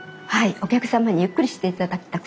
お客様にゆっくりしていただきたくて。